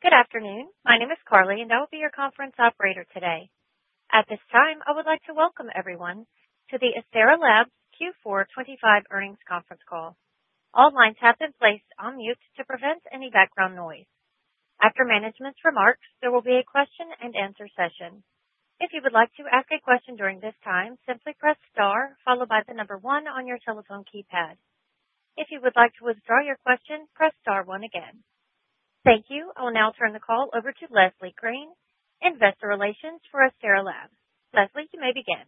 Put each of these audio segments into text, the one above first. Good afternoon. My name is Carly, and I will be your conference operator today. At this time, I would like to welcome everyone to the Astera Labs Q4 2025 earnings conference call. All lines have been placed on mute to prevent any background noise. After management's remarks, there will be a question-and-answer session. If you would like to ask a question during this time, simply press star followed by the number one on your telephone keypad. If you would like to withdraw your question, press star one again. Thank you. I will now turn the call over to Leslie Green, Investor Relations for Astera Labs Q4 2025. Leslie, you may begin.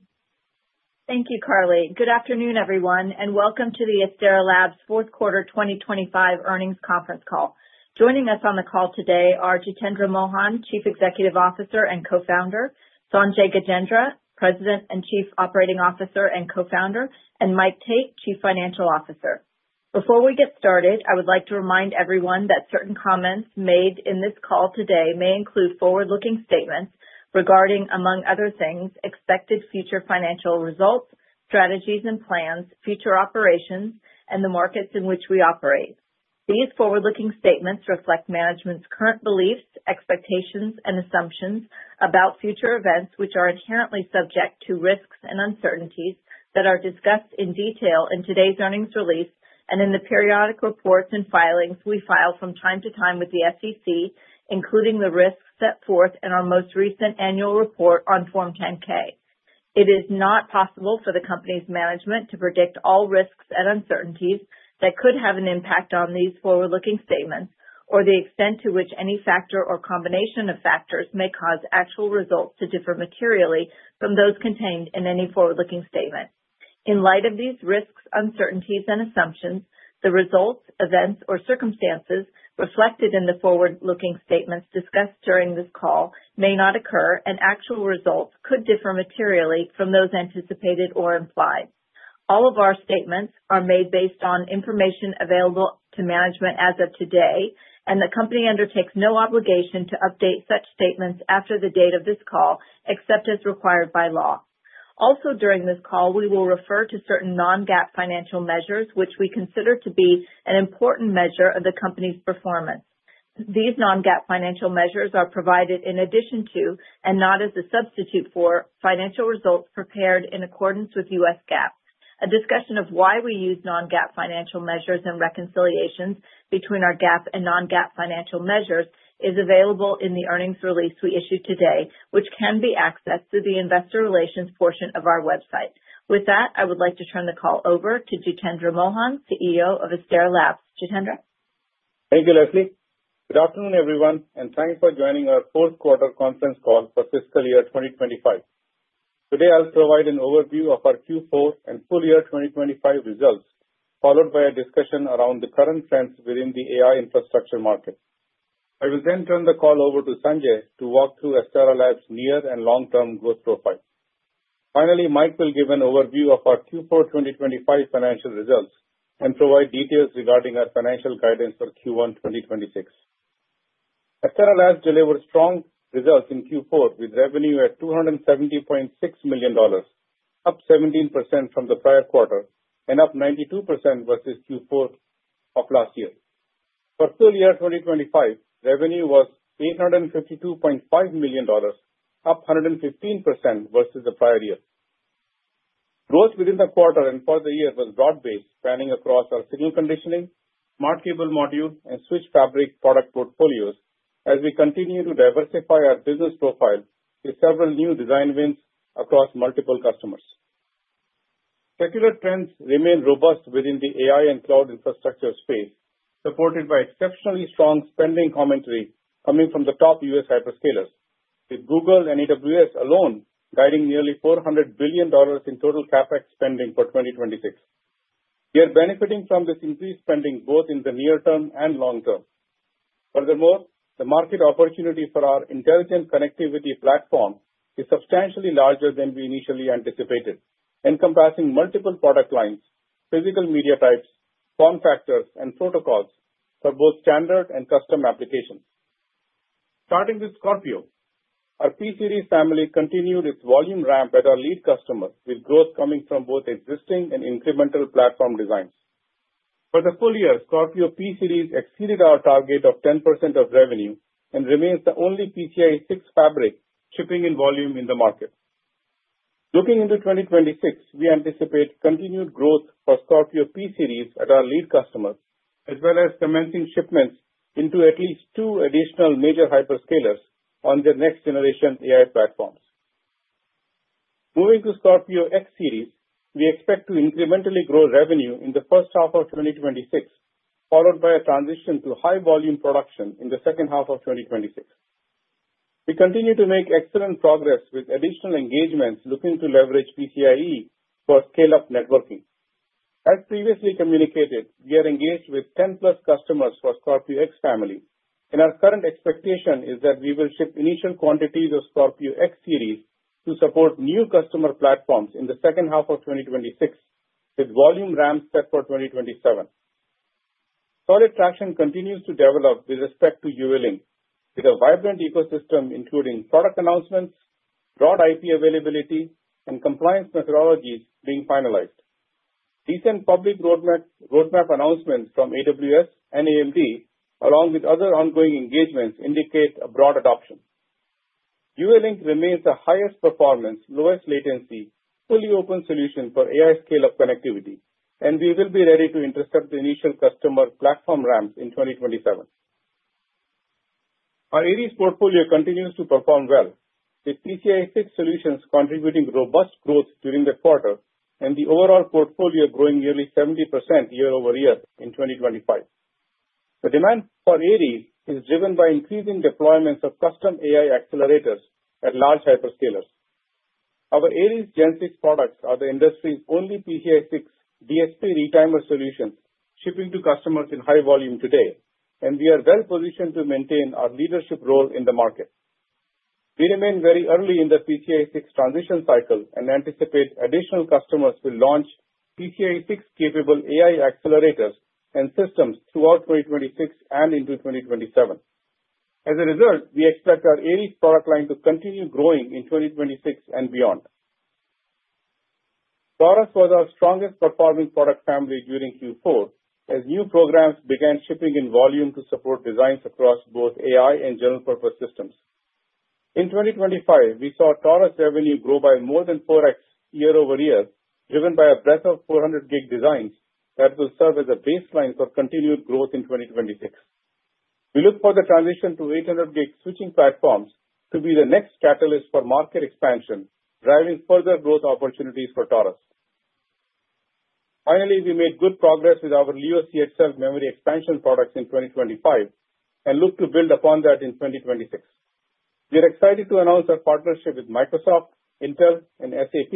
Thank you, Carly. Good afternoon, everyone, and welcome to the Astera Labs fourth quarter 2025 earnings conference call. Joining us on the call today are Jitendra Mohan, Chief Executive Officer and Co-founder; Sanjay Gajendra, President and Chief Operating Officer and Co-founder; and Mike Tate, Chief Financial Officer. Before we get started, I would like to remind everyone that certain comments made in this call today may include forward-looking statements regarding, among other things, expected future financial results, strategies and plans, future operations, and the markets in which we operate. These forward-looking statements reflect management's current beliefs, expectations, and assumptions about future events which are inherently subject to risks and uncertainties that are discussed in detail in today's earnings release and in the periodic reports and filings we file from time to time with the SEC, including the risks set forth in our most recent annual report on Form 10-K. It is not possible for the company's management to predict all risks and uncertainties that could have an impact on these forward-looking statements or the extent to which any factor or combination of factors may cause actual results to differ materially from those contained in any forward-looking statement. In light of these risks, uncertainties, and assumptions, the results, events, or circumstances reflected in the forward-looking statements discussed during this call may not occur, and actual results could differ materially from those anticipated or implied. All of our statements are made based on information available to management as of today, and the company undertakes no obligation to update such statements after the date of this call except as required by law. Also, during this call, we will refer to certain non-GAAP financial measures which we consider to be an important measure of the company's performance. These non-GAAP financial measures are provided in addition to and not as a substitute for financial results prepared in accordance with U.S. GAAP. A discussion of why we use non-GAAP financial measures and reconciliations between our GAAP and non-GAAP financial measures is available in the earnings release we issued today, which can be accessed through the Investor Relations portion of our website. With that, I would like to turn the call over to Jitendra Mohan, CEO of Astera Labs. Jitendra? Thank you, Leslie. Good afternoon, everyone, and thanks for joining our fourth quarter conference call for fiscal year 2025. Today, I'll provide an overview of our Q4 and full year 2025 results, followed by a discussion around the current trends within the AI infrastructure market. I will then turn the call over to Sanjay to walk through Astera Labs' near and long-term growth profile. Finally, Mike will give an overview of our Q4 2025 financial results and provide details regarding our financial guidance for Q1 2026. Astera Labs delivered strong results in Q4 with revenue at $270.6 million, up 17% from the prior quarter and up 92% versus Q4 of last year. For full year 2025, revenue was $852.5 million, up 115% versus the prior year. Growth within the quarter and for the year was broad-based, spanning across our signal conditioning, smart cable module, and switch fabric product portfolios as we continue to diversify our business profile with several new design wins across multiple customers. Secular trends remain robust within the AI and cloud infrastructure space, supported by exceptionally strong spending commentary coming from the top U.S. hyperscalers, with Google and AWS alone guiding nearly $400 billion in total CapEx spending for 2026. They're benefiting from this increased spending both in the near term and long term. Furthermore, the market opportunity for our intelligent connectivity platform is substantially larger than we initially anticipated, encompassing multiple product lines, physical media types, form factors, and protocols for both standard and custom applications. Starting with Scorpio, our P Series family continued its volume ramp at our lead customer, with growth coming from both existing and incremental platform designs. For the full year, Scorpio P-Series exceeded our target of 10% of revenue and remains the only PCIe 6 fabric shipping in volume in the market. Looking into 2026, we anticipate continued growth for Scorpio P-Series at our lead customers, as well as commencing shipments into at least two additional major hyperscalers on their next-generation AI platforms. Moving to Scorpio X-Series, we expect to incrementally grow revenue in the first half of 2026, followed by a transition to high-volume production in the second half of 2026. We continue to make excellent progress with additional engagements looking to leverage PCIe for scale-up networking. As previously communicated, we are engaged with 10+ customers for Scorpio X Family, and our current expectation is that we will ship initial quantities of Scorpio X-Series to support new customer platforms in the second half of 2026 with volume ramps set for 2027. Solid traction continues to develop with respect to UALink, with a vibrant ecosystem including product announcements, broad IP availability, and compliance methodologies being finalized. Recent public roadmap announcements from AWS and AMD, along with other ongoing engagements, indicate a broad adoption. UALink remains the highest performance, lowest latency, fully open solution for AI scale-up connectivity, and we will be ready to intercept the initial customer platform ramps in 2027. Our Aries portfolio continues to perform well, with PCIe 6 solutions contributing robust growth during the quarter and the overall portfolio growing nearly 70% year-over-year in 2025. The demand for Aries is driven by increasing deployments of custom AI accelerators at large hyperscalers. Our Aries Gen 6 products are the industry's only PCIe 6 DSP retimer solutions shipping to customers in high volume today, and we are well positioned to maintain our leadership role in the market. We remain very early in the PCIe 6 transition cycle and anticipate additional customers will launch PCIe 6 capable AI accelerators and systems throughout 2026 and into 2027. As a result, we expect our Aries product line to continue growing in 2026 and beyond. Taurus was our strongest performing product family during Q4 as new programs began shipping in volume to support designs across both AI and general-purpose systems. In 2025, we saw Taurus revenue grow by more than 4x year-over-year, driven by a breadth of 400G designs that will serve as a baseline for continued growth in 2026. We look for the transition to 800G switching platforms to be the next catalyst for market expansion, driving further growth opportunities for Taurus. Finally, we made good progress with our Leo CXL memory expansion products in 2025 and look to build upon that in 2026. We are excited to announce our partnership with Microsoft, Intel, and SAP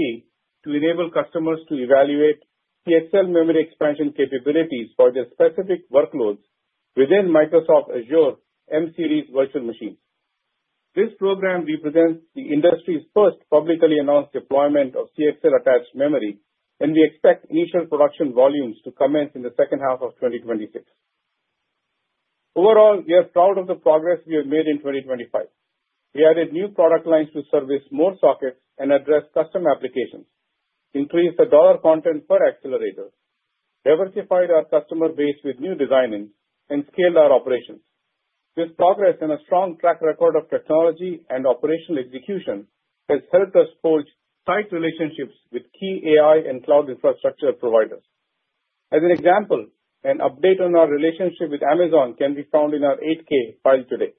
to enable customers to evaluate CXL memory expansion capabilities for their specific workloads within Microsoft Azure M-Series virtual machines. This program represents the industry's first publicly announced deployment of CXL-attached memory, and we expect initial production volumes to commence in the second half of 2026. Overall, we are proud of the progress we have made in 2025. We added new product lines to service more sockets and address custom applications, increased the dollar content per accelerator, diversified our customer base with new design-ins, and scaled our operations. This progress and a strong track record of technology and operational execution has helped us forge tight relationships with key AI and cloud infrastructure providers. As an example, an update on our relationship with Amazon can be found in our 8-K file today.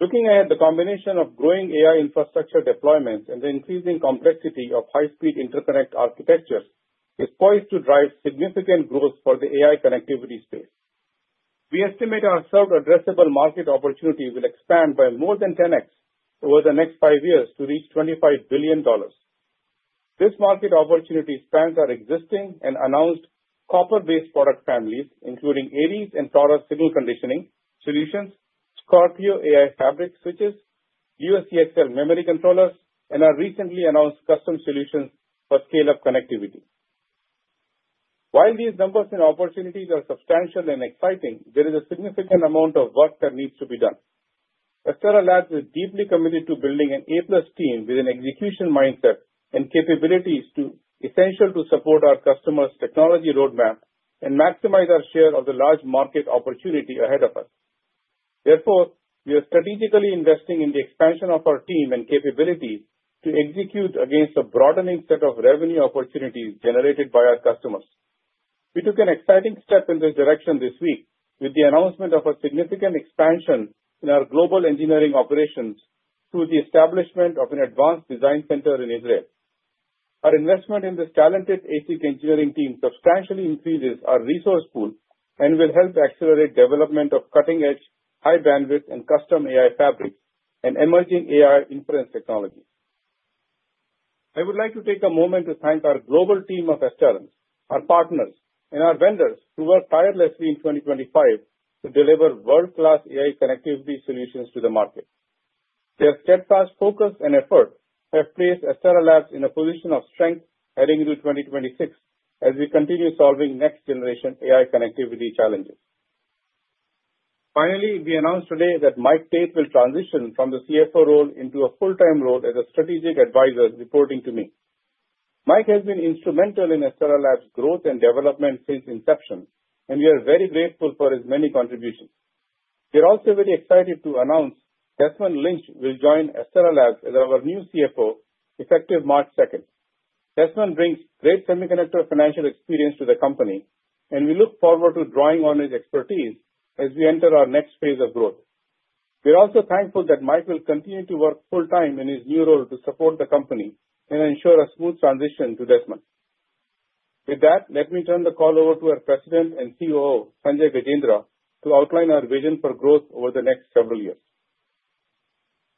Looking ahead, the combination of growing AI infrastructure deployments and the increasing complexity of high-speed interconnect architectures is poised to drive significant growth for the AI connectivity space. We estimate our served addressable market opportunity will expand by more than 10x over the next five years to reach $25 billion. This market opportunity spans our existing and announced copper-based product families, including Aries and Taurus signal conditioning solutions, Scorpio AI fabric switches, Leo CXL memory controllers, and our recently announced custom solutions for scale-up connectivity. While these numbers and opportunities are substantial and exciting, there is a significant amount of work that needs to be done. Astera Labs is deeply committed to building an A-plus team with an execution mindset and capabilities essential to support our customers' technology roadmap and maximize our share of the large market opportunity ahead of us. Therefore, we are strategically investing in the expansion of our team and capabilities to execute against a broadening set of revenue opportunities generated by our customers. We took an exciting step in this direction this week with the announcement of a significant expansion in our global engineering operations through the establishment of an advanced design center in Israel. Our investment in this talented ASIC engineering team substantially increases our resource pool and will help accelerate development of cutting-edge, high-bandwidth, and custom AI fabrics and emerging AI inference technologies. I would like to take a moment to thank our global team of Astera Labs, our partners, and our vendors who work tirelessly in 2025 to deliver world-class AI connectivity solutions to the market. Their steadfast focus and effort have placed Astera Labs in a position of strength heading into 2026 as we continue solving next-generation AI connectivity challenges. Finally, we announced today that Mike Tate will transition from the CFO role into a full-time role as a strategic advisor reporting to me. Mike has been instrumental in Astera Labs' growth and development since inception, and we are very grateful for his many contributions. We are also very excited to announce Desmond Lynch will join Astera Labs as our new CFO effective March 2nd. Desmond brings great semiconductor financial experience to the company, and we look forward to drawing on his expertise as we enter our next phase of growth. We are also thankful that Mike will continue to work full-time in his new role to support the company and ensure a smooth transition to Desmond. With that, let me turn the call over to our President and COO, Sanjay Gajendra, to outline our vision for growth over the next several years.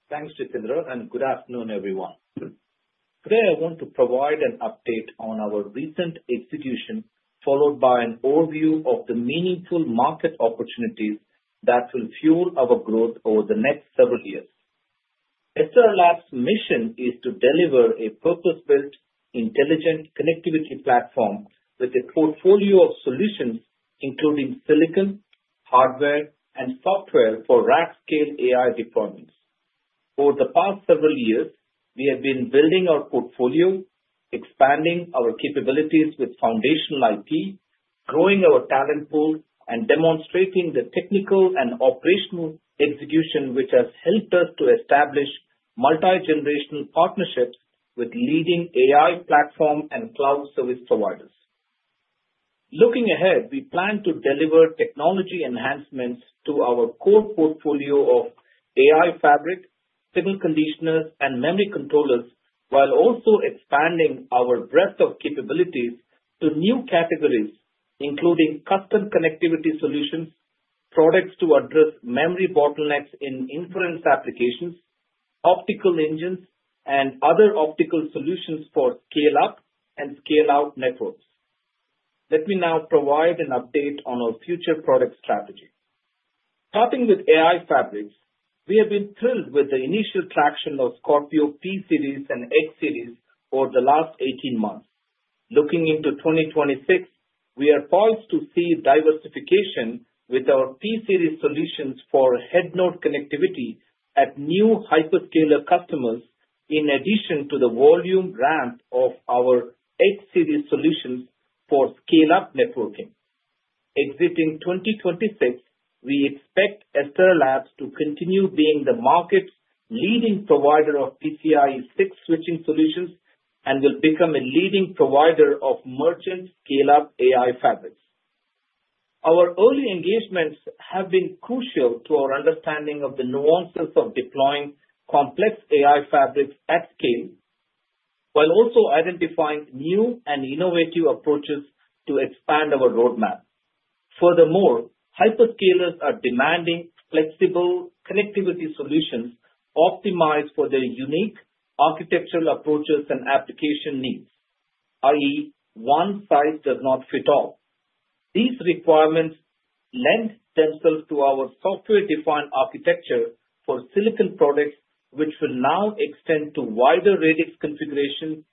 Thanks, Jitendra, and good afternoon, everyone. Today, I want to provide an update on our recent execution followed by an overview of the meaningful market opportunities that will fuel our growth over the next several years. Astera Labs' mission is to deliver a purpose-built intelligent connectivity platform with a portfolio of solutions including silicon, hardware, and software for large-scale AI deployments. Over the past several years, we have been building our portfolio, expanding our capabilities with foundational IP, growing our talent pool, and demonstrating the technical and operational execution which has helped us to establish multi-generational partnerships with leading AI platform and cloud service providers. Looking ahead, we plan to deliver technology enhancements to our core portfolio of AI fabric, signal conditioners, and memory controllers while also expanding our breadth of capabilities to new categories including custom connectivity solutions, products to address memory bottlenecks in inference applications, optical engines, and other optical solutions for scale-up and scale-out networks. Let me now provide an update on our future product strategy. Starting with AI fabrics, we have been thrilled with the initial traction of Scorpio P-Series and X-Series over the last 18 months. Looking into 2026, we are poised to see diversification with our P-Series solutions for head-node connectivity at new hyperscaler customers in addition to the volume ramp of our X-Series solutions for scale-up networking. Exiting 2026, we expect Astera Labs to continue being the market's leading provider of PCIe 6 switching solutions and will become a leading provider of merchant scale-up AI fabrics. Our early engagements have been crucial to our understanding of the nuances of deploying complex AI fabrics at scale while also identifying new and innovative approaches to expand our roadmap. Furthermore, hyperscalers are demanding flexible connectivity solutions optimized for their unique architectural approaches and application needs, i.e., one size does not fit all. These requirements lend themselves to our software-defined architecture for silicon products which will now extend to wider radix configurations,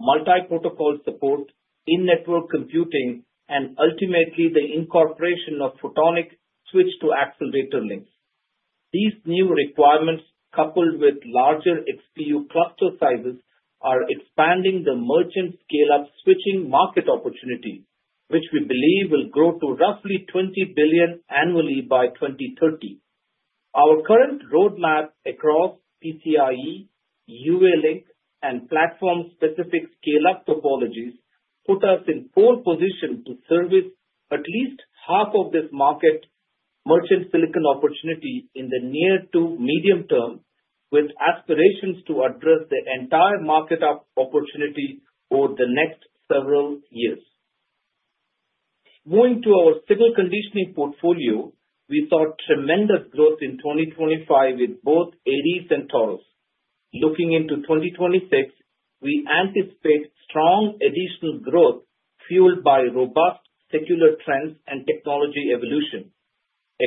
multi-protocol support, in-network computing, and ultimately the incorporation of photonic switch-to-accelerator links. These new requirements, coupled with larger XPU cluster sizes, are expanding the merchant scale-up switching market opportunity which we believe will grow to roughly $20 billion annually by 2030. Our current roadmap across PCIe, UALink, and platform-specific scale-up topologies put us in pole position to service at least half of this market merchant silicon opportunity in the near to medium term with aspirations to address the entire market opportunity over the next several years. Moving to our signal conditioning portfolio, we saw tremendous growth in 2025 with both Aries and Taurus. Looking into 2026, we anticipate strong additional growth fueled by robust secular trends and technology evolution.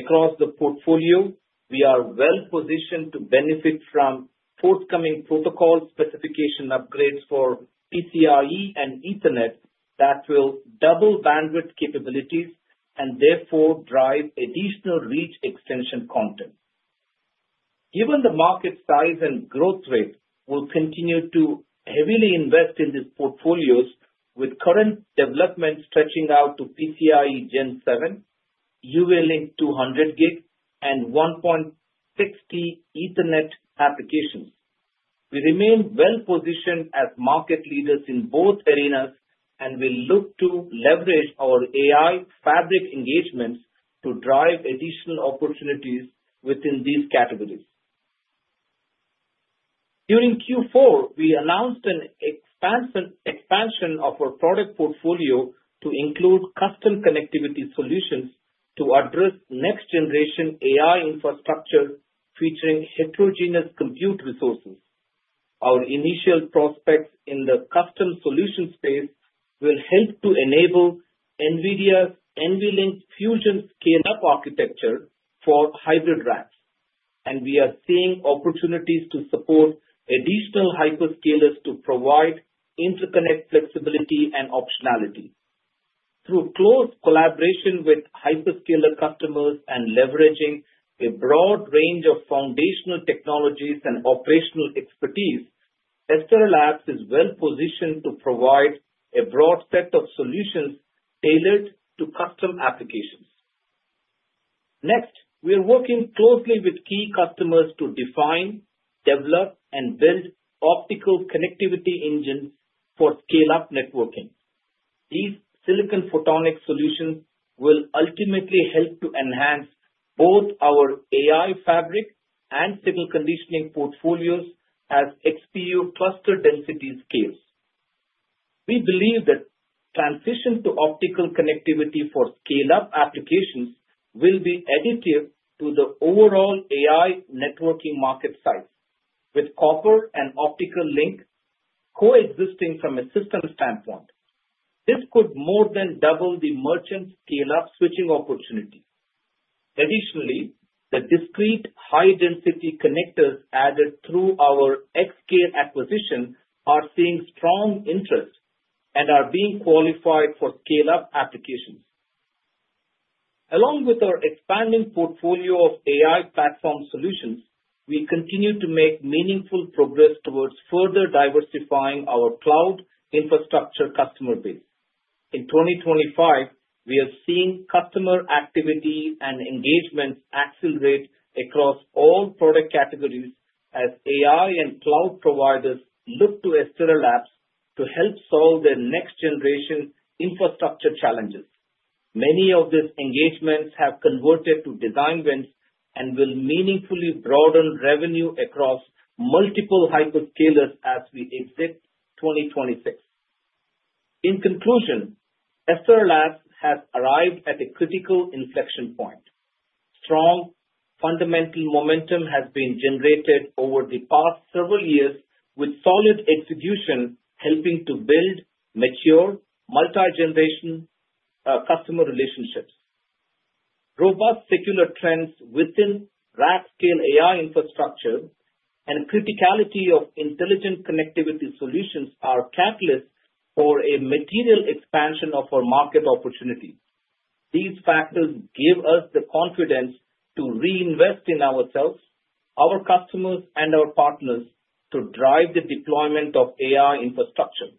Across the portfolio, we are well positioned to benefit from forthcoming protocol specification upgrades for PCIe and Ethernet that will double bandwidth capabilities and therefore drive additional reach extension content. Given the market size and growth rate, we'll continue to heavily invest in these portfolios with current development stretching out to PCIe Gen 7, UALink 200G, and 1.6T Ethernet applications. We remain well positioned as market leaders in both arenas and will look to leverage our AI fabric engagements to drive additional opportunities within these categories. During Q4, we announced an expansion of our product portfolio to include custom connectivity solutions to address next-generation AI infrastructure featuring heterogeneous compute resources. Our initial prospects in the custom solution space will help to enable NVIDIA's NVLink Fusion scale-up architecture for hybrid racks, and we are seeing opportunities to support additional hyperscalers to provide interconnect flexibility and optionality. Through close collaboration with hyperscaler customers and leveraging a broad range of foundational technologies and operational expertise, Astera Labs is well positioned to provide a broad set of solutions tailored to custom applications. Next, we are working closely with key customers to define, develop, and build optical connectivity engines for scale-up networking. These silicon photonic solutions will ultimately help to enhance both our AI fabric and signal conditioning portfolios as XPU cluster density scales. We believe that transition to optical connectivity for scale-up applications will be additive to the overall AI networking market size with copper and optical link coexisting from a system standpoint. This could more than double the merchant scale-up switching opportunity. Additionally, the discrete high-density connectors added through our X-Scale acquisition are seeing strong interest and are being qualified for scale-up applications. Along with our expanding portfolio of AI platform solutions, we continue to make meaningful progress towards further diversifying our cloud infrastructure customer base. In 2025, we are seeing customer activity and engagements accelerate across all product categories as AI and cloud providers look to Astera Labs to help solve their next-generation infrastructure challenges. Many of these engagements have converted to design wins and will meaningfully broaden revenue across multiple hyperscalers as we exit 2026. In conclusion, Astera Labs has arrived at a critical inflection point. Strong fundamental momentum has been generated over the past several years with solid execution helping to build mature multi-generation customer relationships. Robust secular trends within rack-scale AI infrastructure and criticality of intelligent connectivity solutions are catalysts for a material expansion of our market opportunity. These factors give us the confidence to reinvest in ourselves, our customers, and our partners to drive the deployment of AI infrastructure.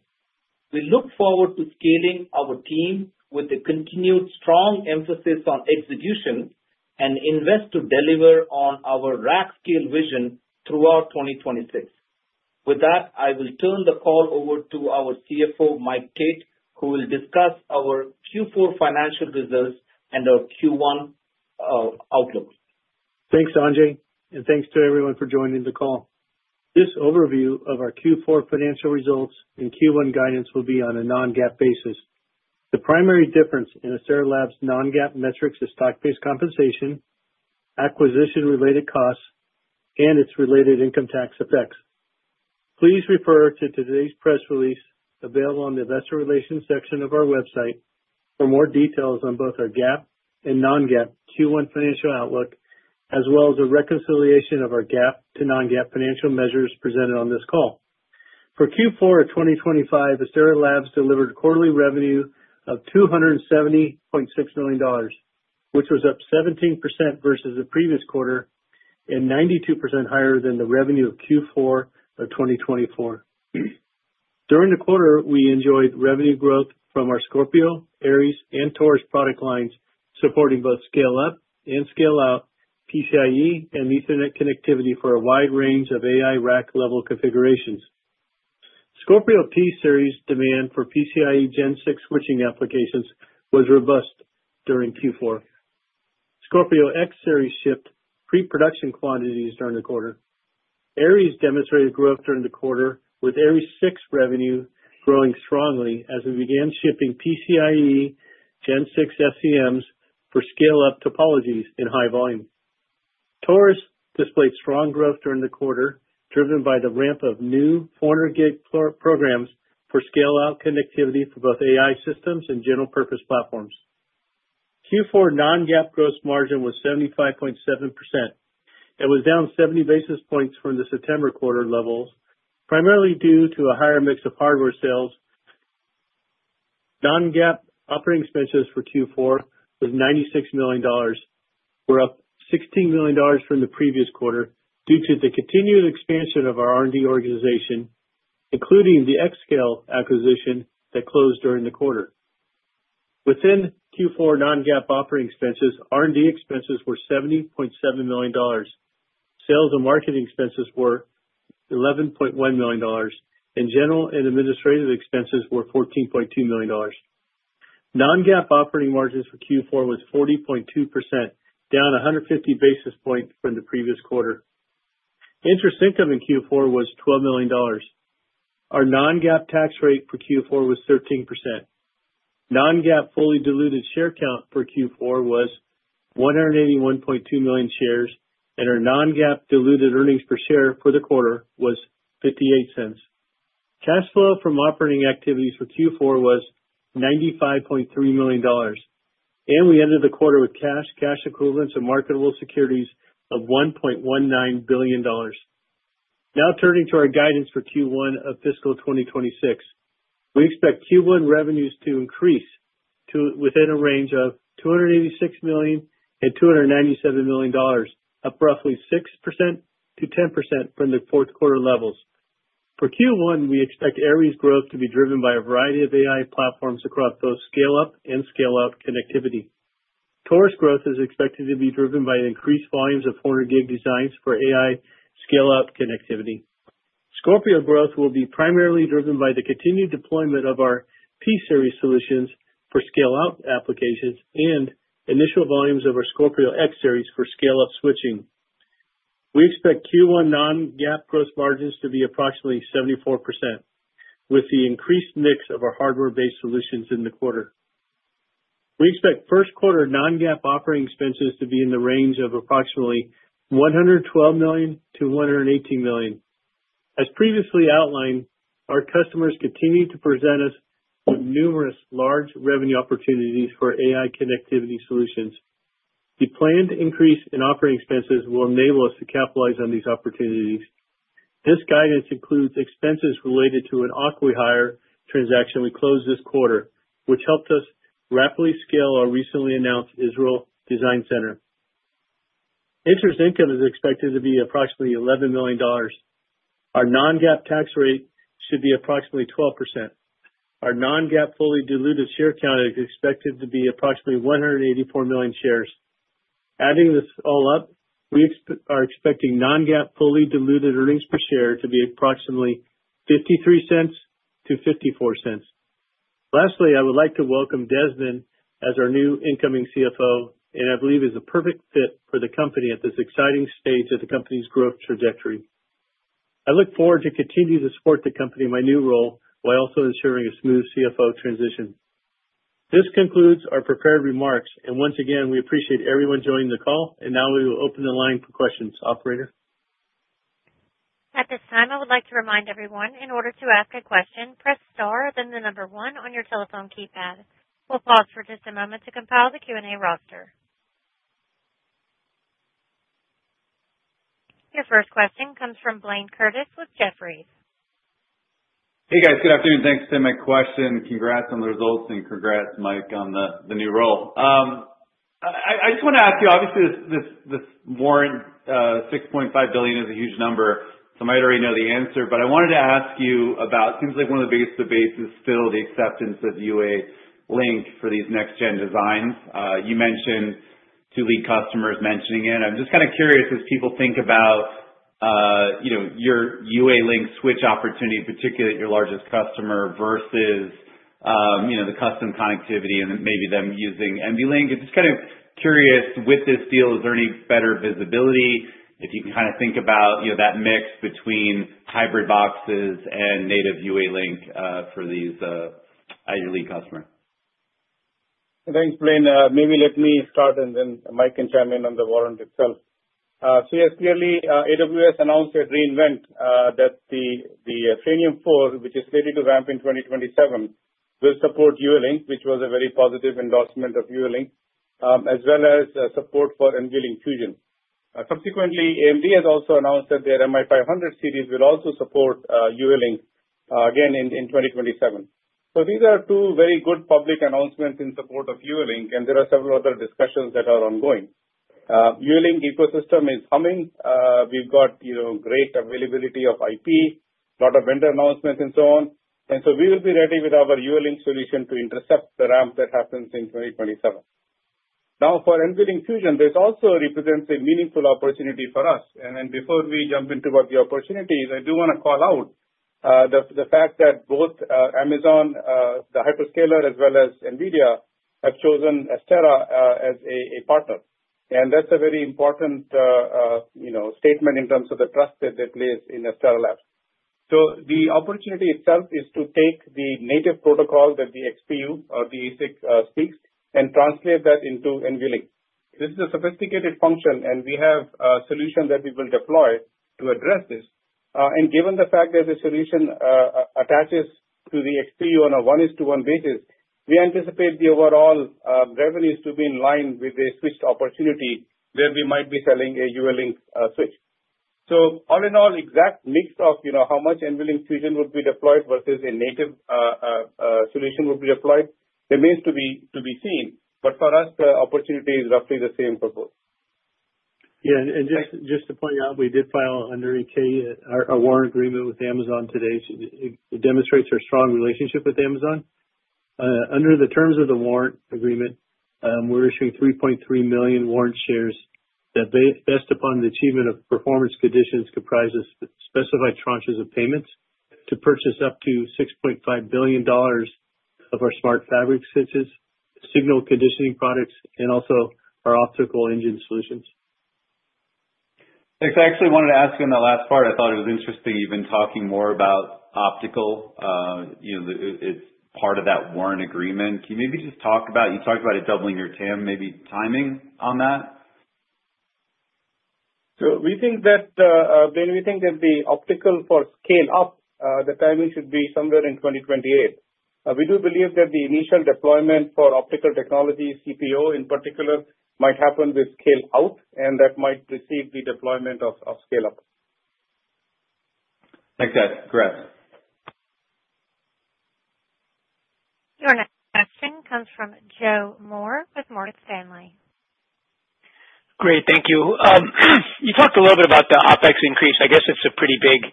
We look forward to scaling our team with a continued strong emphasis on execution and invest to deliver on our rack-scale vision throughout 2026. With that, I will turn the call over to our CFO, Mike Tate, who will discuss our Q4 financial results and our Q1 outlook. Thanks, Sanjay, and thanks to everyone for joining the call. This overview of our Q4 financial results and Q1 guidance will be on a non-GAAP basis. The primary difference in Astera Labs' non-GAAP metrics is stock-based compensation, acquisition-related costs, and its related income tax effects. Please refer to today's press release available on the investor relations section of our website for more details on both our GAAP and non-GAAP Q1 financial outlook, as well as a reconciliation of our GAAP to non-GAAP financial measures presented on this call. For Q4 of 2025, Astera Labs delivered quarterly revenue of $270.6 million, which was up 17% versus the previous quarter and 92% higher than the revenue of Q4 of 2024. During the quarter, we enjoyed revenue growth from our Scorpio, Aries, and Taurus product lines supporting both scale-up and scale-out PCIe and Ethernet connectivity for a wide range of AI rack-level configurations. Scorpio P-Series demand for PCIe Gen 6 switching applications was robust during Q4. Scorpio X-Series shipped pre-production quantities during the quarter. Aries demonstrated growth during the quarter, with Aries 6 revenue growing strongly as we began shipping PCIe Gen 6 CEMs for scale-up topologies in high volume. Taurus displayed strong growth during the quarter, driven by the ramp of new 400G programs for scale-out connectivity for both AI systems and general-purpose platforms. Q4 non-GAAP gross margin was 75.7%. It was down 70 basis points from the September quarter levels, primarily due to a higher mix of hardware sales. Non-GAAP operating expenses for Q4 was $96 million, were up $16 million from the previous quarter due to the continued expansion of our R&D organization, including the X-Scale acquisition that closed during the quarter. Within Q4 non-GAAP operating expenses, R&D expenses were $70.7 million. Sales and marketing expenses were $11.1 million, and general and administrative expenses were $14.2 million. Non-GAAP operating margins for Q4 was 40.2%, down 150 basis points from the previous quarter. Interest expense of Q4 was $12 million. Our non-GAAP tax rate for Q4 was 13%. Non-GAAP fully diluted share count for Q4 was 181.2 million shares, and our non-GAAP diluted earnings per share for the quarter was $0.58. Cash flow from operating activities for Q4 was $95.3 million, and we ended the quarter with cash, cash equivalents, and marketable securities of $1.19 billion. Now turning to our guidance for Q1 of fiscal 2026. We expect Q1 revenues to increase within a range of $286 million-$297 million, up roughly 6%-10% from the fourth quarter levels. For Q1, we expect Aries growth to be driven by a variety of AI platforms across both scale-up and scale-out connectivity. Taurus growth is expected to be driven by increased volumes of 400G designs for AI scale-out connectivity. Scorpio growth will be primarily driven by the continued deployment of our P-Series solutions for scale-out applications and initial volumes of our Scorpio X-Series for scale-up switching. We expect Q1 non-GAAP gross margins to be approximately 74% with the increased mix of our hardware-based solutions in the quarter. We expect first quarter non-GAAP operating expenses to be in the range of approximately $112 million-$118 million. As previously outlined, our customers continue to present us with numerous large revenue opportunities for AI connectivity solutions. The planned increase in operating expenses will enable us to capitalize on these opportunities. This guidance includes expenses related to an acqui-hire transaction we closed this quarter, which helped us rapidly scale our recently announced Israel Design Center. Interest expense is expected to be approximately $11 million. Our non-GAAP tax rate should be approximately 12%. Our non-GAAP fully diluted share count is expected to be approximately 184 million shares. Adding this all up, we are expecting non-GAAP fully diluted earnings per share to be approximately $0.53-$0.54. Lastly, I would like to welcome Desmond as our new incoming CFO, and I believe he is a perfect fit for the company at this exciting stage of the company's growth trajectory. I look forward to continuing to support the company in my new role while also ensuring a smooth CFO transition. This concludes our prepared remarks, and once again, we appreciate everyone joining the call, and now we will open the line for questions. Operator. At this time, I would like to remind everyone, in order to ask a question, press star, then the number one on your telephone keypad. We'll pause for just a moment to compile the Q&A roster. Your first question comes from Blayne Curtis with Jefferies. Hey, guys. Good afternoon. Thanks for sending my question. Congrats on the results, and congrats, Mike, on the new role. I just want to ask you, obviously, this warrant $6.5 billion is a huge number, so I might already know the answer, but I wanted to ask you about it seems like one of the biggest debates is still the acceptance of UALink for these next-gen designs. You mentioned two lead customers mentioning it. I'm just kind of curious as people think about your UALink switch opportunity, particularly at your largest customer, versus the custom connectivity and maybe them using NVLink. I'm just kind of curious, with this deal, is there any better visibility if you can kind of think about that mix between hybrid boxes and native UALink for your lead customer? Thanks, Blayne. Maybe let me start, and then Mike can chime in on the warrant itself. So yes, clearly, AWS announced at re:Invent that the Trainium 4, which is slated to ramp in 2027, will support UALink, which was a very positive endorsement of UALink, as well as support for NVLink Fusion. Subsequently, AMD has also announced that their MI500 series will also support UALink, again, in 2027. So these are two very good public announcements in support of UALink, and there are several other discussions that are ongoing. UALink ecosystem is humming. We've got great availability of IP, a lot of vendor announcements, and so on. And so we will be ready with our UALink solution to intercept the ramp that happens in 2027. Now, for NVLink Fusion, this also represents a meaningful opportunity for us. Then before we jump into what the opportunity is, I do want to call out the fact that both Amazon, the hyperscaler, as well as NVIDIA, have chosen Astera as a partner. That's a very important statement in terms of the trust that they place in Astera Labs. So the opportunity itself is to take the native protocol that the XPU or the ASIC speaks and translate that into NVLink. This is a sophisticated function, and we have a solution that we will deploy to address this. Given the fact that the solution attaches to the XPU on a 1:1 basis, we anticipate the overall revenues to be in line with the switched opportunity that we might be selling a UALink switch. So all in all, the exact mix of how much NVLink Fusion would be deployed versus a native solution would be deployed remains to be seen. But for us, the opportunity is roughly the same for both. Yeah. Just to point out, we did file under a warrant agreement with Amazon today. It demonstrates our strong relationship with Amazon. Under the terms of the warrant agreement, we're issuing 3.3 million warrant shares that, based upon the achievement of performance conditions, comprise specified tranches of payments to purchase up to $6.5 billion of our smart fabric switches, signal conditioning products, and also our optical engine solutions. I actually wanted to ask you on that last part. I thought it was interesting you've been talking more about optical. It's part of that warrant agreement. Can you maybe just talk about you talked about it doubling your TAM, maybe timing on that. So we think that, Blaine, we think that the optical for scale-up, the timing should be somewhere in 2028. We do believe that the initial deployment for optical technology, CPO in particular, might happen with scale-out, and that might precede the deployment of scale-up. Thanks, guys. Congrats. Your next question comes from Joe Moore with Morgan Stanley. Great. Thank you. You talked a little bit about the OpEx increase. I guess it's a pretty big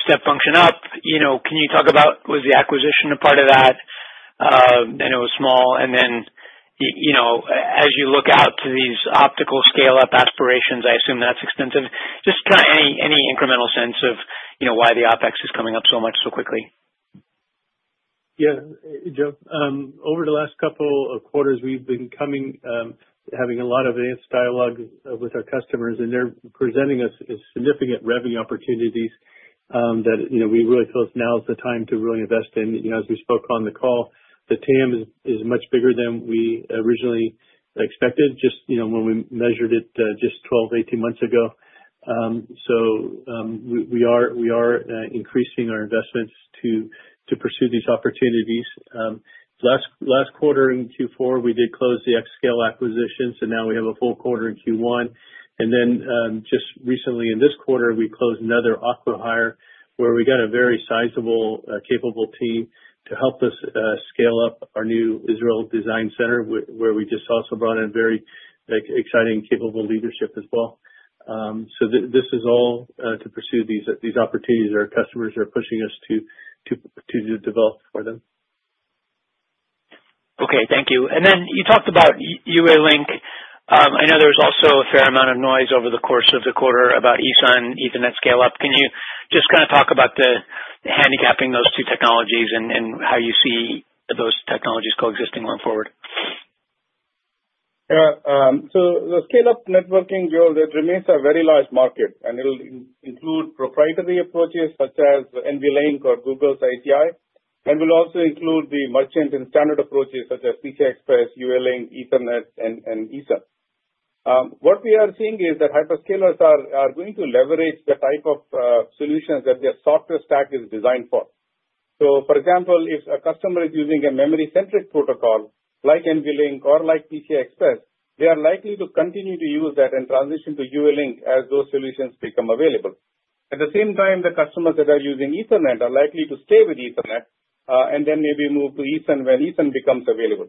step function up. Can you talk about was the acquisition a part of that? I know it was small. And then as you look out to these optical scale-up aspirations, I assume that's extensive. Just kind of any incremental sense of why the OpEx is coming up so much, so quickly. Yeah, Joe. Over the last couple of quarters, we've been having a lot of advanced dialogue with our customers, and they're presenting us significant revenue opportunities that we really feel now is the time to really invest in. As we spoke on the call, the TAM is much bigger than we originally expected just when we measured it just 12, 18 months ago. So we are increasing our investments to pursue these opportunities. Last quarter in Q4, we did close the X-Scale acquisition, and now we have a full quarter in Q1. And then just recently in this quarter, we closed another acqui-hire where we got a very sizable, capable team to help us scale up our new Israel Design Center, where we just also brought in very exciting, capable leadership as well. This is all to pursue these opportunities that our customers are pushing us to develop for them. Okay. Thank you. And then you talked about UALink. I know there was also a fair amount of noise over the course of the quarter about ESUN, Ethernet scale-up. Can you just kind of talk about the handicapping those two technologies and how you see those technologies coexisting going forward? Yeah. So the scale-up networking, Joe, that remains a very large market, and it'll include proprietary approaches such as NVLink or Google's ICI. And we'll also include the merchant and standard approaches such as PCI Express, UALink, Ethernet, and ESUN. What we are seeing is that hyperscalers are going to leverage the type of solutions that their software stack is designed for. So for example, if a customer is using a memory-centric protocol like NVLink or like PCI Express, they are likely to continue to use that and transition to UALink as those solutions become available. At the same time, the customers that are using Ethernet are likely to stay with Ethernet and then maybe move to ESUN when ESUN becomes available.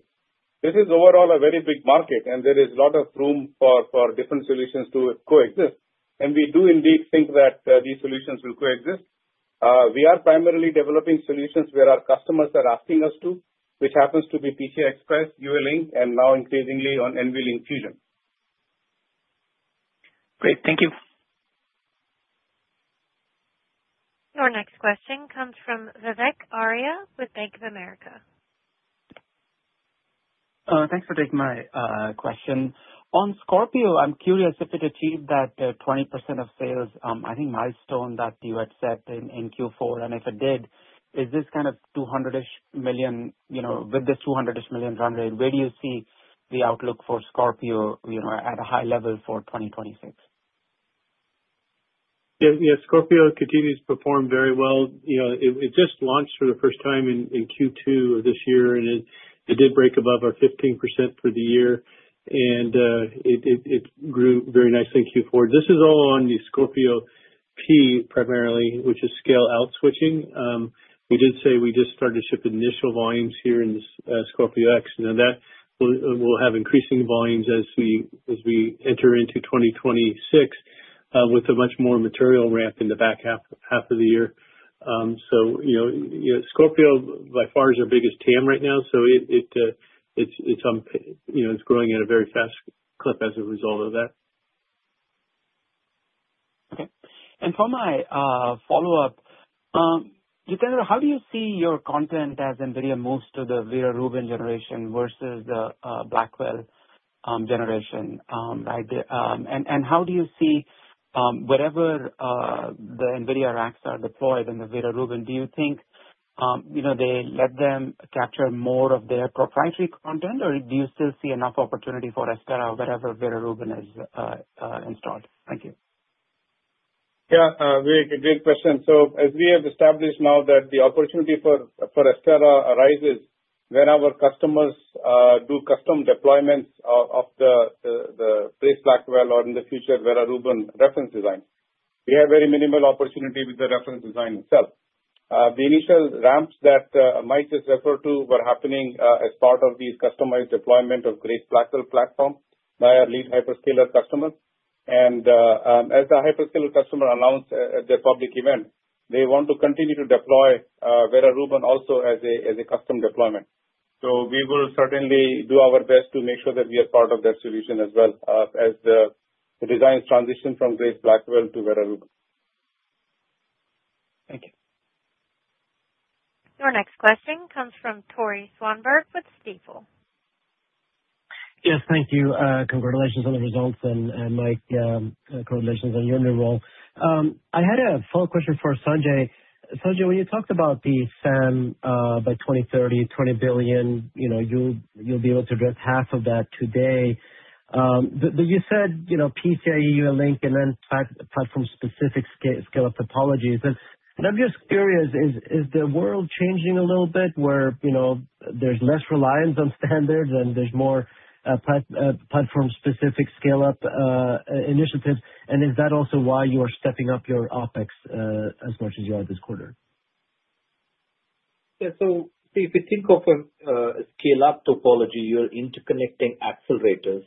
This is overall a very big market, and there is a lot of room for different solutions to coexist. We do indeed think that these solutions will coexist. We are primarily developing solutions where our customers are asking us to, which happens to be PCI Express, UALink, and now increasingly on NVLink Fusion. Great. Thank you. Your next question comes from Vivek Arya with Bank of America. Thanks for taking my question. On Scorpio, I'm curious if it achieved that 20% of sales, I think milestone that you had set in Q4. And if it did, is this kind of $200-ish million with this $200-ish million run rate, where do you see the outlook for Scorpio at a high level for 2026? Yeah. Yeah. Scorpio continues to perform very well. It just launched for the first time in Q2 of this year, and it did break above our 15% for the year. It grew very nicely in Q4. This is all on the Scorpio P primarily, which is scale-out switching. We did say we just started shipping initial volumes here in the Scorpio X, and that will have increasing volumes as we enter into 2026 with a much more material ramp in the back half of the year. Scorpio, by far, is our biggest TAM right now. It's growing at a very fast clip as a result of that. Okay. And for my follow-up, Jitendra, how do you see your content as NVIDIA moves to the Vera Rubin generation versus the Blackwell generation, right? And how do you see wherever the NVIDIA racks are deployed in the Vera Rubin, do you think they let them capture more of their proprietary content, or do you still see enough opportunity for Astera wherever Vera Rubin is installed? Thank you. Yeah. Great question. So as we have established now that the opportunity for Astera arises when our customers do custom deployments of the Grace Blackwell or in the future, Vera Rubin reference design, we have very minimal opportunity with the reference design itself. The initial ramps that Mike just referred to were happening as part of these customized deployments of Grace Blackwell platform by our lead hyperscaler customer. And as the hyperscaler customer announced at their public event, they want to continue to deploy Vera Rubin also as a custom deployment. So we will certainly do our best to make sure that we are part of that solution as well as the designs transition from Grace Blackwell to Vera Rubin. Thank you. Your next question comes from Tore Svanberg with Stifel. Yes. Thank you. Congratulations on the results, and Mike, congratulations on your new role. I had a follow-up question for Sanjay. Sanjay, when you talked about the SAM by 2030, $20 billion, you'll be able to address half of that today. But you said PCIe UALink and then platform-specific scale-up topologies. I'm just curious, is the world changing a little bit where there's less reliance on standards and there's more platform-specific scale-up initiatives? And is that also why you are stepping up your OpEx as much as you are this quarter? Yeah. So if you think of a scale-up topology, you're interconnecting accelerators.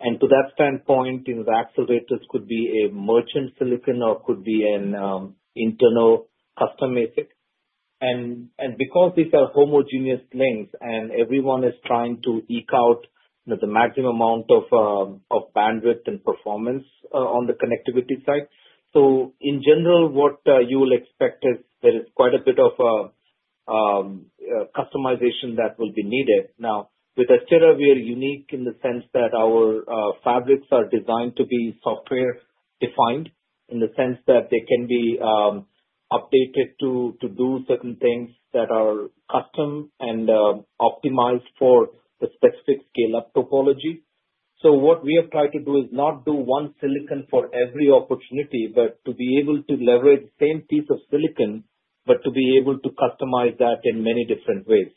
And to that standpoint, the accelerators could be a merchant silicon or could be an internal custom ASIC. And because these are homogeneous links and everyone is trying to eke out the maximum amount of bandwidth and performance on the connectivity side, so in general, what you will expect is there is quite a bit of customization that will be needed. Now, with Astera, we are unique in the sense that our fabrics are designed to be software-defined in the sense that they can be updated to do certain things that are custom and optimized for the specific scale-up topology. So what we have tried to do is not do one silicon for every opportunity, but to be able to leverage the same piece of silicon, but to be able to customize that in many different ways.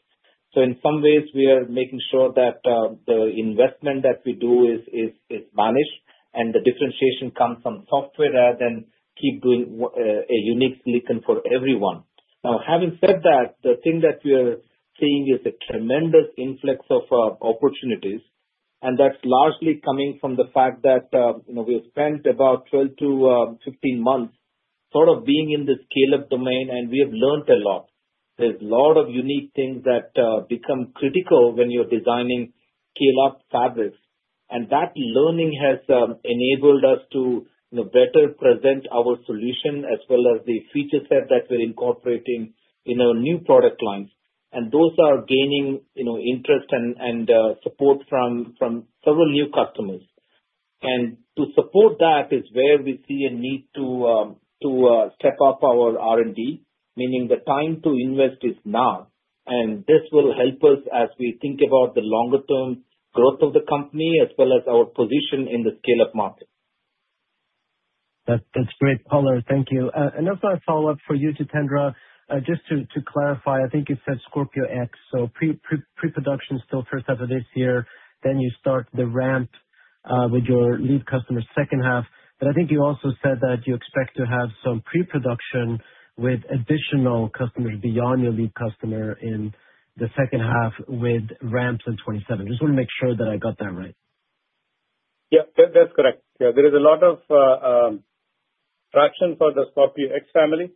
So in some ways, we are making sure that the investment that we do is managed, and the differentiation comes from software rather than keep doing a unique silicon for everyone. Now, having said that, the thing that we are seeing is a tremendous influx of opportunities. And that's largely coming from the fact that we have spent about 12-15 months sort of being in the scale-up domain, and we have learned a lot. There's a lot of unique things that become critical when you're designing scale-up fabrics. And that learning has enabled us to better present our solution as well as the feature set that we're incorporating in our new product lines. And those are gaining interest and support from several new customers. And to support that is where we see a need to step up our R&D, meaning the time to invest is now. This will help us as we think about the longer-term growth of the company as well as our position in the scale-up market. That's great, Paulo. Thank you. And that's my follow-up for you, Jitendra. Just to clarify, I think you said Scorpio X. So pre-production still first half of this year. Then you start the ramp with your lead customer second half. But I think you also said that you expect to have some pre-production with additional customers beyond your lead customer in the second half with ramps in 2027. I just want to make sure that I got that right. Yeah. That's correct. Yeah. There is a lot of traction for the Scorpio X family.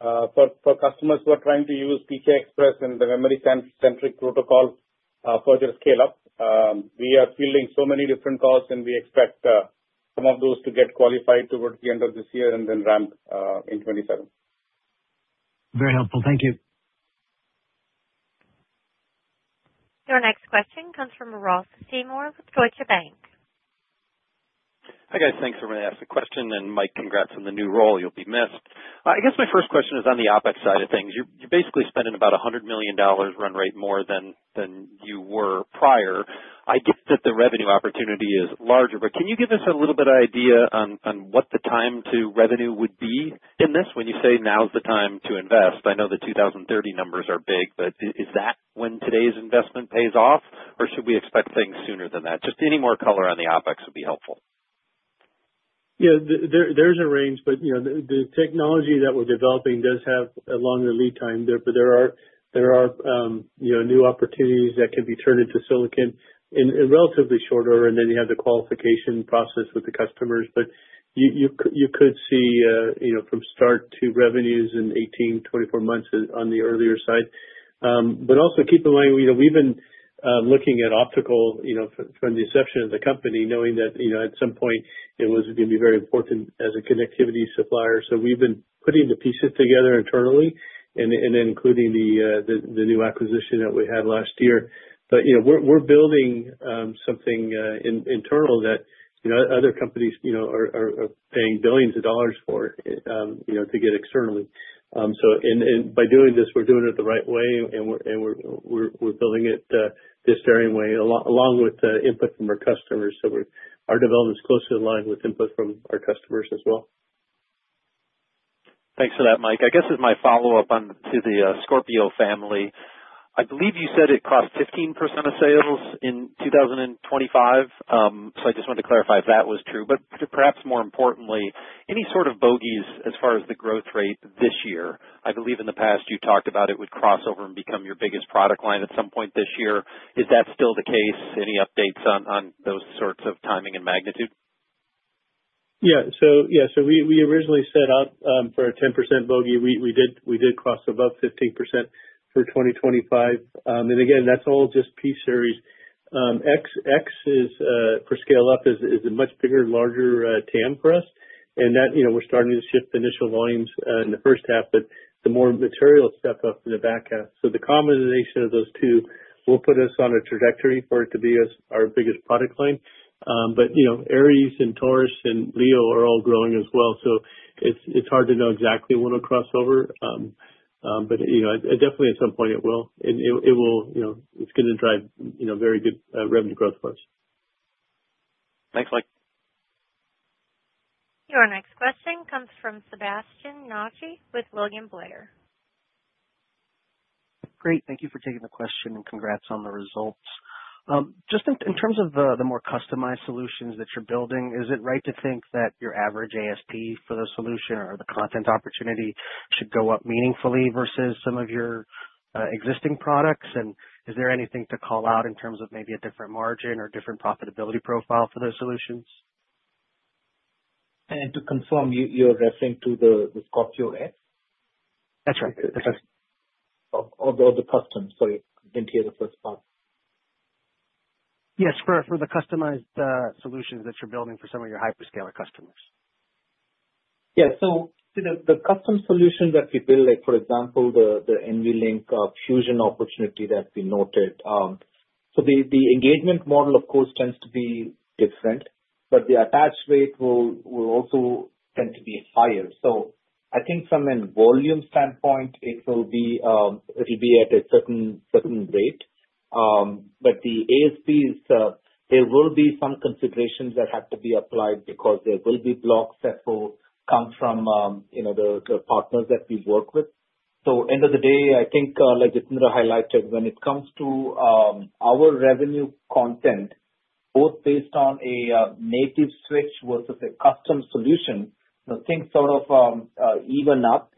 For customers who are trying to use PCI Express and the memory-centric protocol for their scale-up, we are fielding so many different calls, and we expect some of those to get qualified towards the end of this year and then ramp in 2027. Very helpful. Thank you. Your next question comes from Ross Seymour with Deutsche Bank. Hi guys. Thanks for asking the question. And Mike, congrats on the new role. You'll be missed. I guess my first question is on the OpEx side of things. You're basically spending about $100 million run rate more than you were prior. I get that the revenue opportunity is larger, but can you give us a little bit of idea on what the time to revenue would be in this when you say now's the time to invest? I know the 2030 numbers are big, but is that when today's investment pays off, or should we expect things sooner than that? Just any more color on the OpEx would be helpful. Yeah. There's a range, but the technology that we're developing does have a longer lead time. But there are new opportunities that can be turned into silicon in relatively short order, and then you have the qualification process with the customers. But you could see from start to revenues in 18-24 months on the earlier side. But also keep in mind, we've been looking at optical from the inception of the company, knowing that at some point, it was going to be very important as a connectivity supplier. So we've been putting the pieces together internally and then including the new acquisition that we had last year. But we're building something internal that other companies are paying billions of dollars for to get externally. And by doing this, we're doing it the right way, and we're building it this daring way along with input from our customers. Our development's closely aligned with input from our customers as well. Thanks for that, Mike. I guess as my follow-up to the Scorpio family, I believe you said it cost 15% of sales in 2025. So I just wanted to clarify if that was true. But perhaps more importantly, any sort of bogies as far as the growth rate this year? I believe in the past, you talked about it would cross over and become your biggest product line at some point this year. Is that still the case? Any updates on those sorts of timing and magnitude? Yeah. So yeah. So we originally set up for a 10% bogie. We did cross above 15% for 2025. And again, that's all just PCIe series. X for scale-up is a much bigger, larger TAM for us. And we're starting to shift initial volumes in the first half, but the more material step up in the back half. So the combination of those two will put us on a trajectory for it to be our biggest product line. But Aries and Taurus and Leo are all growing as well. So it's hard to know exactly when it'll cross over. But definitely, at some point, it will. And it's going to drive very good revenue growth for us. Thanks, Mike. Your next question comes from Sebastien Naji with William Blair. Great. Thank you for taking the question, and congrats on the results. Just in terms of the more customized solutions that you're building, is it right to think that your average ASP for the solution or the content opportunity should go up meaningfully versus some of your existing products? And is there anything to call out in terms of maybe a different margin or different profitability profile for those solutions? To confirm, you're referring to the Scorpio X? That's right. That's right. Or the custom? Sorry. I didn't hear the first part. Yes. For the customized solutions that you're building for some of your hyperscaler customers. Yeah. So the custom solution that we build, for example, the NVLink Fusion opportunity that we noted, so the engagement model, of course, tends to be different. But the attach rate will also tend to be higher. So I think from a volume standpoint, it'll be at a certain rate. But the ASPs, there will be some considerations that have to be applied because there will be blocks that will come from the partners that we work with. So end of the day, I think, like Jitendra highlighted, when it comes to our revenue content, both based on a native switch versus a custom solution, things sort of even up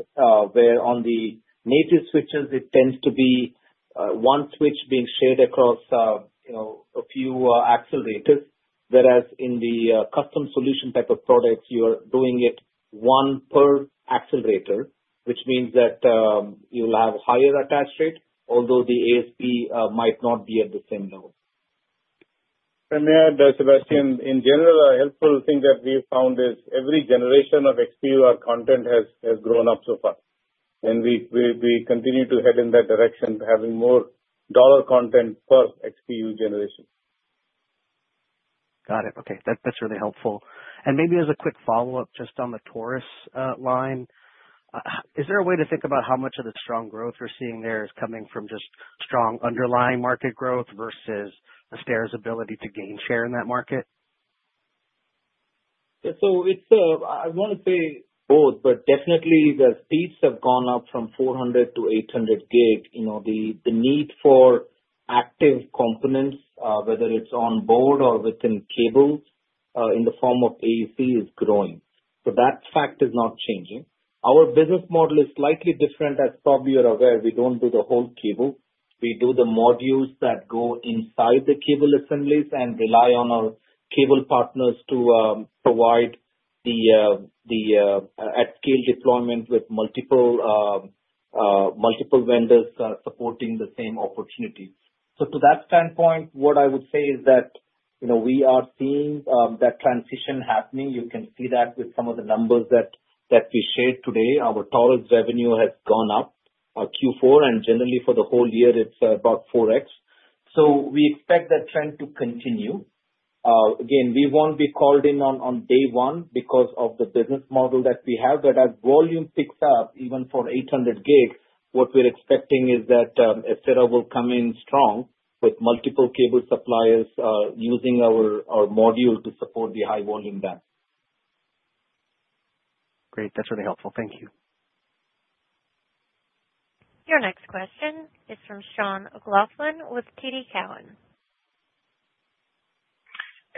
where on the native switches, it tends to be one switch being shared across a few accelerators. Whereas in the custom solution type of products, you are doing it one per accelerator, which means that you'll have a higher attach rate, although the ASP might not be at the same level. And may I, Sebastian, in general, a helpful thing that we've found is every generation of XPU content has grown up so far. And we continue to head in that direction, having more dollar content per XPU generation. Got it. Okay. That's really helpful. Maybe as a quick follow-up just on the Taurus line, is there a way to think about how much of the strong growth you're seeing there is coming from just strong underlying market growth versus Astera's ability to gain share in that market? Yeah. So I want to say both, but definitely, the speeds have gone up from 400G to 800G. The need for active components, whether it's on board or within cables in the form of AEC, is growing. So that fact is not changing. Our business model is slightly different. As probably you're aware, we don't do the whole cable. We do the modules that go inside the cable assemblies and rely on our cable partners to provide the at-scale deployment with multiple vendors supporting the same opportunity. So to that standpoint, what I would say is that we are seeing that transition happening. You can see that with some of the numbers that we shared today. Our Taurus revenue has gone up Q4. And generally, for the whole year, it's about 4x. So we expect that trend to continue. Again, we won't be called in on day one because of the business model that we have. But as volume picks up, even for 800G, what we're expecting is that Astera will come in strong with multiple cable suppliers using our module to support the high-volume band. Great. That's really helpful. Thank you. Your next question is from Sean O'Loughlin with TD Cowen.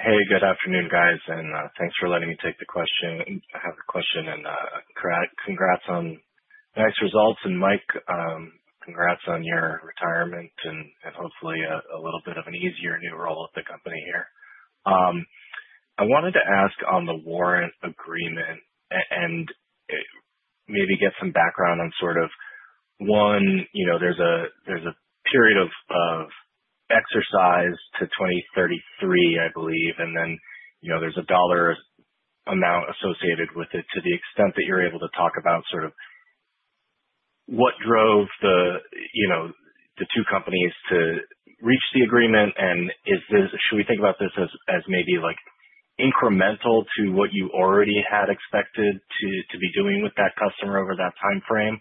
Hey. Good afternoon, guys. And thanks for letting me take the question. I have a question. And congrats on nice results. And Mike, congrats on your retirement and hopefully a little bit of an easier new role at the company here. I wanted to ask on the warrant agreement and maybe get some background on sort of one, there's a period of exercise to 2033, I believe. And then there's a dollar amount associated with it. To the extent that you're able to talk about sort of what drove the two companies to reach the agreement, and should we think about this as maybe incremental to what you already had expected to be doing with that customer over that timeframe?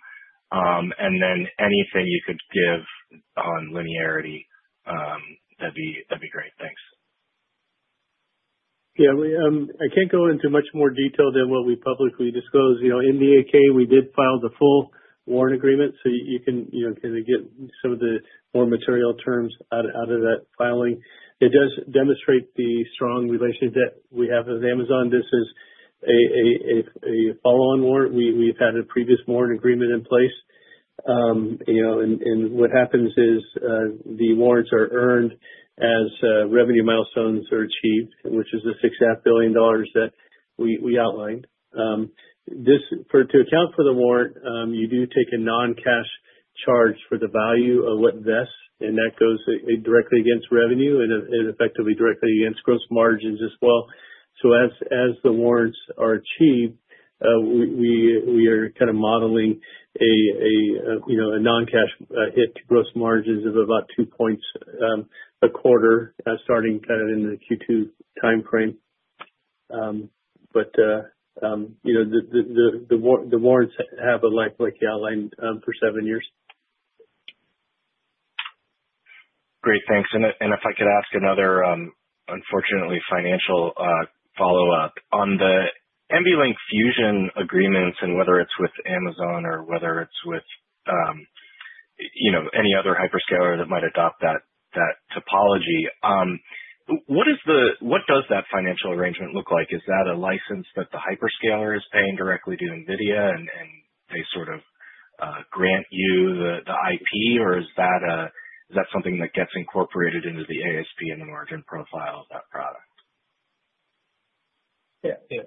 And then anything you could give on linearity, that'd be great. Thanks. Yeah. I can't go into much more detail than what we publicly disclose. In the 8-K, we did file the full warrant agreement. So you can kind of get some of the more material terms out of that filing. It does demonstrate the strong relationship that we have with Amazon. This is a follow-on warrant. We've had a previous warrant agreement in place. And what happens is the warrants are earned as revenue milestones are achieved, which is the $6.5 billion that we outlined. To account for the warrant, you do take a non-cash charge for the value of what vests. And that goes directly against revenue and effectively directly against gross margins as well. So as the warrants are achieved, we are kind of modeling a non-cash hit to gross margins of about 2 points a quarter starting kind of in the Q2 timeframe. But the warrants have a life like you outlined for seven years. Great. Thanks. And if I could ask another, unfortunately, financial follow-up. On the NVLink Fusion agreements and whether it's with Amazon or whether it's with any other hyperscaler that might adopt that topology, what does that financial arrangement look like? Is that a license that the hyperscaler is paying directly to NVIDIA, and they sort of grant you the IP? Or is that something that gets incorporated into the ASP and the margin profile of that product? Yeah. Yeah.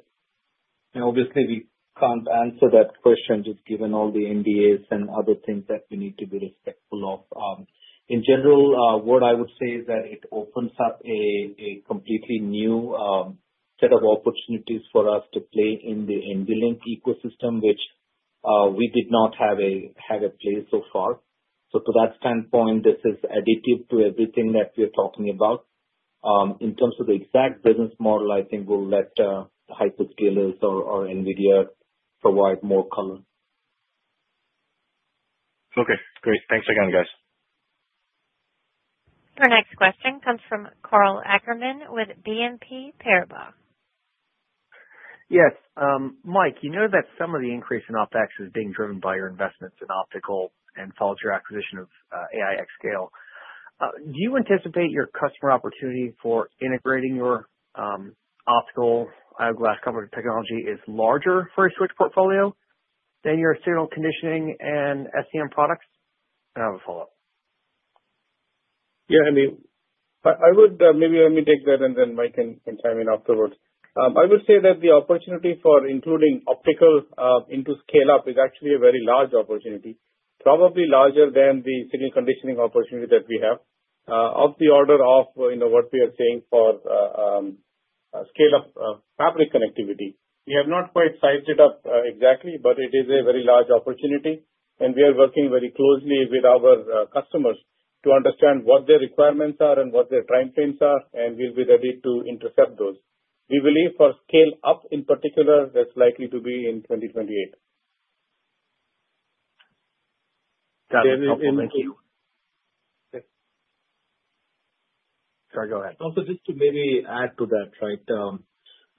And I'll just maybe answer that question just given all the NDAs and other things that we need to be respectful of. In general, what I would say is that it opens up a completely new set of opportunities for us to play in the NVLink ecosystem, which we did not have a place so far. So to that standpoint, this is additive to everything that we're talking about. In terms of the exact business model, I think we'll let the hyperscalers or NVIDIA provide more color. Okay. Great. Thanks again, guys. Your next question comes from Karl Ackerman with BNP Paribas. Yes. Mike, you know that some of the increase in OpEx is being driven by your investments in optical and follows your acquisition of aiXscale. Do you anticipate your customer opportunity for integrating your optical eyeglass cover technology is larger for a switch portfolio than your signal conditioning and SCM products? And I have a follow-up. Yeah. I mean, maybe let me take that, and then Mike can chime in afterwards. I would say that the opportunity for including optical into scale-up is actually a very large opportunity, probably larger than the signal conditioning opportunity that we have of the order of what we are seeing for scale-up fabric connectivity. We have not quite sized it up exactly, but it is a very large opportunity. And we are working very closely with our customers to understand what their requirements are and what their timeframes are, and we'll be ready to intercept those. We believe for scale-up in particular, that's likely to be in 2028. Got it. Also, thank you. Sorry. Go ahead. Also, just to maybe add to that, right,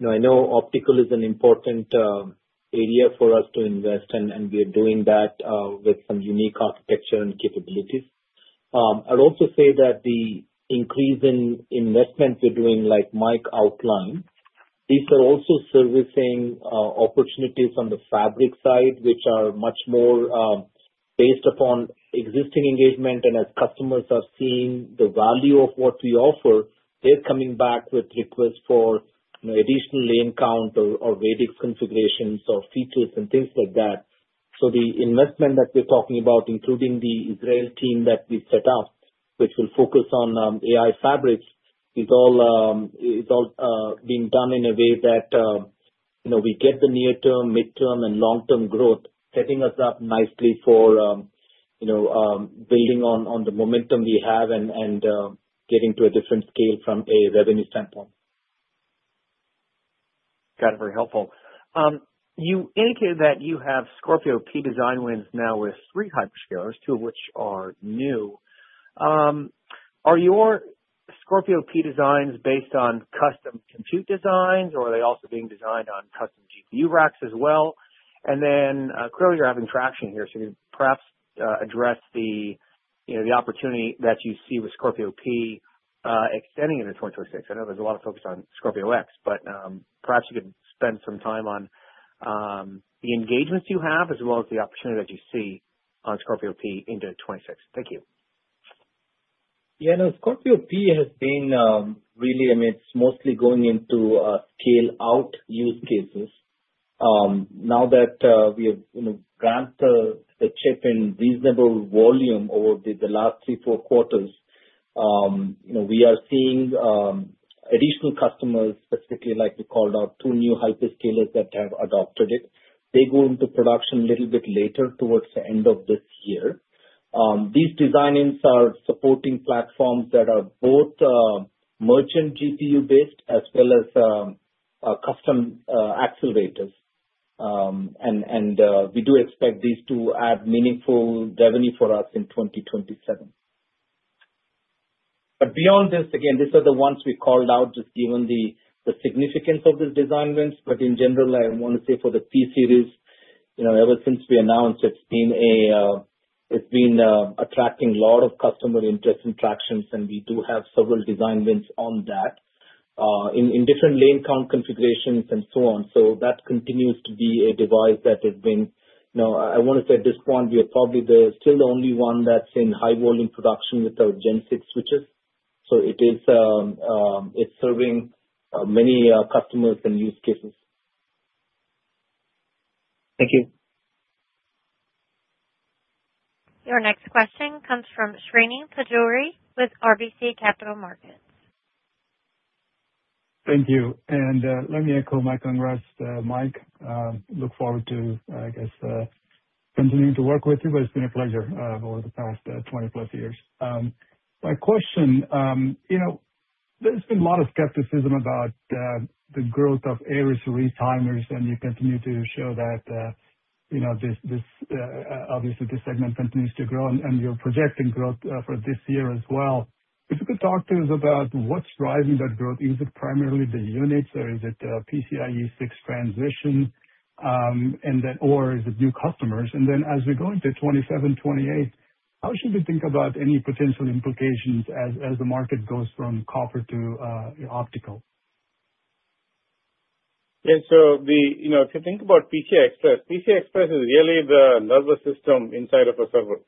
I know optical is an important area for us to invest, and we are doing that with some unique architecture and capabilities. I'd also say that the increase in investment we're doing, like Mike outlined, these are also servicing opportunities on the fabric side, which are much more based upon existing engagement. And as customers are seeing the value of what we offer, they're coming back with requests for additional lane count or radix configurations or features and things like that. So the investment that we're talking about, including the Israel team that we set up, which will focus on AI fabrics, is all being done in a way that we get the near-term, mid-term, and long-term growth, setting us up nicely for building on the momentum we have and getting to a different scale from a revenue standpoint. Got it. Very helpful. You indicated that you have Scorpio P design wins now with three hyperscalers, two of which are new. Are your Scorpio P designs based on custom compute designs, or are they also being designed on custom GPU racks as well? And then clearly, you're having traction here. So you could perhaps address the opportunity that you see with Scorpio P extending into 2026. I know there's a lot of focus on Scorpio X, but perhaps you could spend some time on the engagements you have as well as the opportunity that you see on Scorpio P into 2026. Thank you. Yeah. No. Scorpio P has been really, I mean, it's mostly going into scale-out use cases. Now that we have ramped the chip in reasonable volume over the last three to four quarters, we are seeing additional customers, specifically, like we called out, two new hyperscalers that have adopted it. They go into production a little bit later towards the end of this year. These design-ins are supporting platforms that are both merchant GPU-based as well as custom accelerators. And we do expect these to add meaningful revenue for us in 2027. But beyond this, again, these are the ones we called out just given the significance of these design wins. But in general, I want to say for the P series, ever since we announced, it's been attracting a lot of customer interest and traction. We do have several design wins on that in different lane count configurations and so on. That continues to be a device that has been, I want to say, at this point, we are probably still the only one that's in high-volume production without Gen 6 switches. It's serving many customers and use cases. Thank you. Your next question comes from Srini Pajjuri with RBC Capital Markets. Thank you. And let me echo Mike and Ross. Mike, look forward to, I guess, continuing to work with you. But it's been a pleasure over the past 20+ years. My question, there's been a lot of skepticism about the growth of Aries retimers. And you continue to show that obviously, this segment continues to grow. And you're projecting growth for this year as well. If you could talk to us about what's driving that growth, is it primarily the units, or is it PCIe 6 transition, or is it new customers? And then as we go into 2027, 2028, how should we think about any potential implications as the market goes from copper to optical? Yeah. So if you think about PCI Express, PCI Express is really the nervous system inside of a server.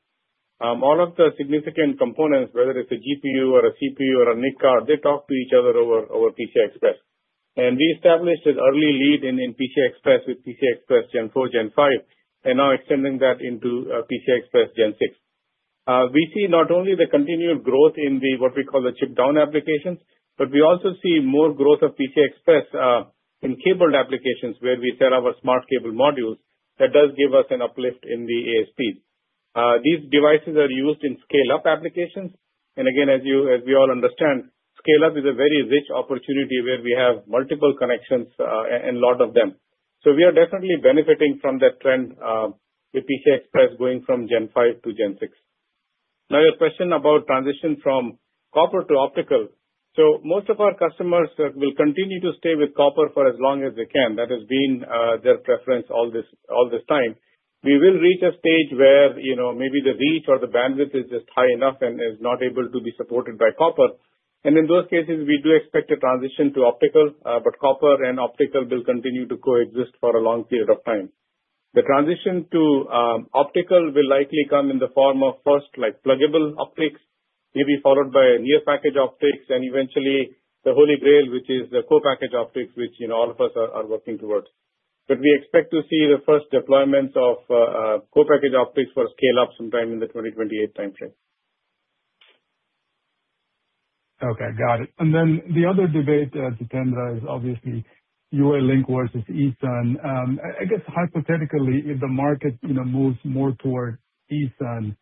All of the significant components, whether it's a GPU or a CPU or a NIC card, they talk to each other over PCI Express. And we established an early lead in PCI Express with PCI Express Gen 4, Gen 5, and now extending that into PCI Express Gen 6. We see not only the continued growth in what we call the chip-down applications, but we also see more growth of PCI Express in cabled applications where we sell our smart cable modules. That does give us an uplift in the ASPs. These devices are used in scale-up applications. And again, as we all understand, scale-up is a very rich opportunity where we have multiple connections and a lot of them. So we are definitely benefiting from that trend with PCI Express going from Gen 5 to Gen 6. Now, your question about transition from copper to optical. So most of our customers will continue to stay with copper for as long as they can. That has been their preference all this time. We will reach a stage where maybe the reach or the bandwidth is just high enough and is not able to be supported by copper. And in those cases, we do expect a transition to optical. But copper and optical will continue to coexist for a long period of time. The transition to optical will likely come in the form of first pluggable optics, maybe followed by near-package optics, and eventually the Holy Grail, which is the co-packaged optics, which all of us are working towards. But we expect to see the first deployments of co-packaged optics for scale-up sometime in the 2028 timeframe. Okay. Got it. And then the other debate, Jitendra, is obviously UALink versus ESUN. I guess hypothetically, if the market moves more toward ESUN,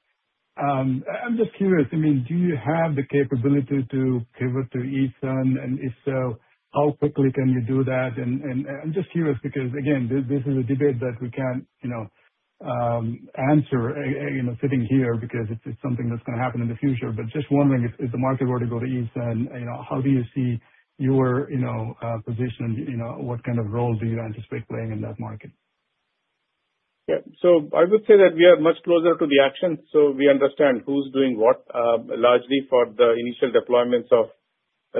I'm just curious. I mean, do you have the capability to pivot to ESUN? And if so, how quickly can you do that? And I'm just curious because, again, this is a debate that we can't answer sitting here because it's something that's going to happen in the future. But just wondering, if the market were to go to ESUN, how do you see your position? What kind of role do you anticipate playing in that market? Yeah. So I would say that we are much closer to the action. So we understand who's doing what, largely for the initial deployments of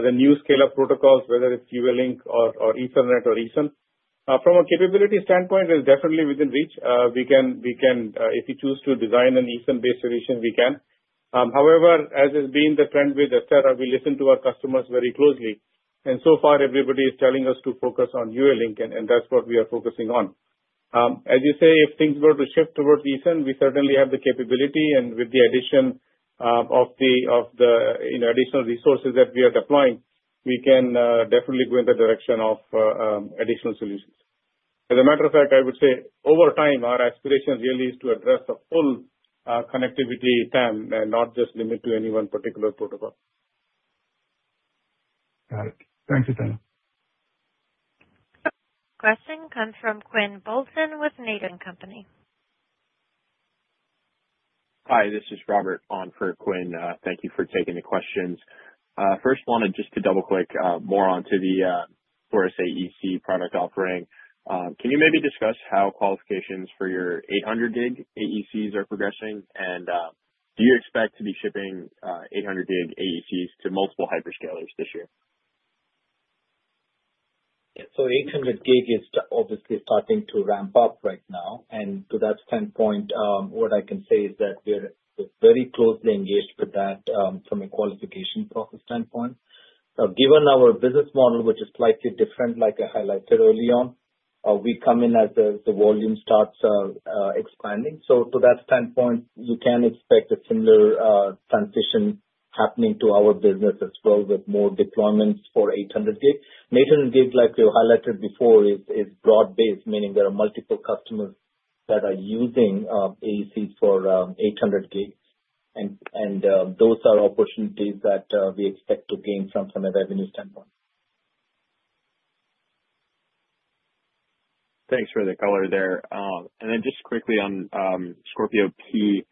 the new scale-up protocols, whether it's UALink or Ethernet or ESUN. From a capability standpoint, it's definitely within reach. If we choose to design an ESUN-based solution, we can. However, as has been the trend with Astera, we listen to our customers very closely. And so far, everybody is telling us to focus on UALink. And that's what we are focusing on. As you say, if things were to shift towards ESUN, we certainly have the capability. And with the addition of the additional resources that we are deploying, we can definitely go in the direction of additional solutions. As a matter of fact, I would say over time, our aspiration really is to address the full connectivity TAM and not just limit to any one particular protocol. Got it. Thanks, Jitendra. Question comes from Quinn Bolton with Needham & Company. Hi. This is Robert on for Quinn. Thank you for taking the questions. First, wanted just to double-click more onto the Aries AEC product offering. Can you maybe discuss how qualifications for your 800G AECs are progressing? And do you expect to be shipping 800G AECs to multiple hyperscalers this year? Yeah. So 800G is obviously starting to ramp up right now. And to that standpoint, what I can say is that we're very closely engaged with that from a qualification process standpoint. Given our business model, which is slightly different, like I highlighted early on, we come in as the volume starts expanding. So to that standpoint, you can expect a similar transition happening to our business as well with more deployments for 800G. 800G, like we highlighted before, is broad-based, meaning there are multiple customers that are using AECs for 800G. And those are opportunities that we expect to gain from a revenue standpoint. Thanks for the color there. And then just quickly on Scorpio P,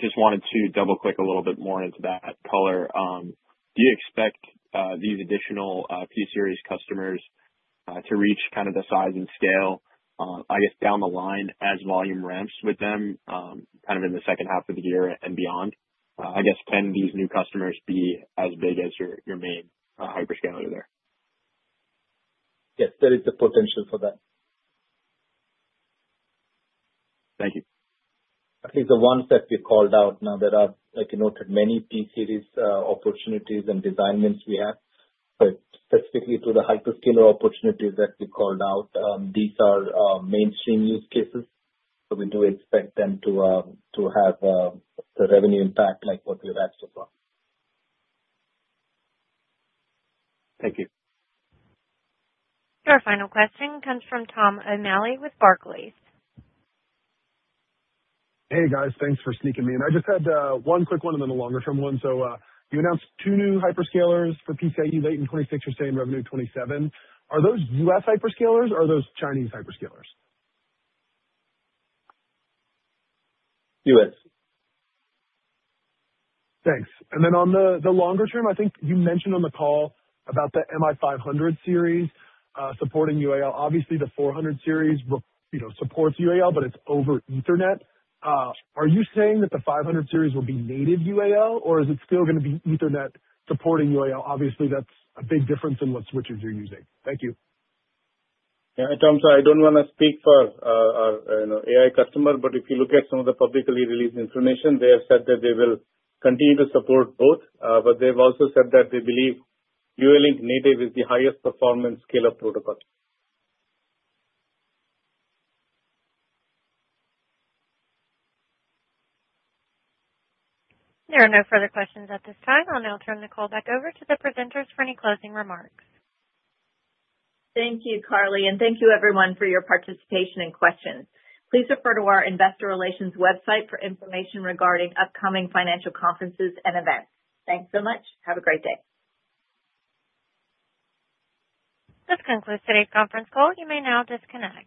just wanted to double-click a little bit more into that color. Do you expect these additional P Series customers to reach kind of the size and scale, I guess, down the line as volume ramps with them kind of in the second half of the year and beyond? I guess, can these new customers be as big as your main hyperscaler there? Yes. There is the potential for that. Thank you. At least the ones that we called out. Now, there are, like you noted, many P-Series opportunities and design wins we have. But specifically to the hyperscaler opportunities that we called out, these are mainstream use cases. So we do expect them to have the revenue impact like what we have had so far. Thank you. Your final question comes from Tom O'Malley with Barclays. Hey, guys. Thanks for sneaking me in. I just had one quick one and then a longer-term one. So you announced two new hyperscalers for PCIe late in 2026, you're saying revenue 2027. Are those U.S. hyperscalers, or are those Chinese hyperscalers? U.S. Thanks. And then on the longer term, I think you mentioned on the call about the MI500 series supporting UAL. Obviously, the 400 series supports UAL, but it's over Ethernet. Are you saying that the 500 series will be native UAL, or is it still going to be Ethernet supporting UAL? Obviously, that's a big difference in what switches you're using. Thank you. Yeah. Tom, sorry. I don't want to speak for our AI customer. But if you look at some of the publicly released information, they have said that they will continue to support both. But they've also said that they believe UALink native is the highest-performance scale-up protocol. There are no further questions at this time. I'll turn the call back over to the presenters for any closing remarks. Thank you, Carly. Thank you, everyone, for your participation and questions. Please refer to our investor relations website for information regarding upcoming financial conferences and events. Thanks so much. Have a great day. This concludes today's conference call. You may now disconnect.